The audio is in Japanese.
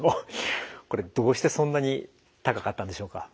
これどうしてそんなに高かったんでしょうか？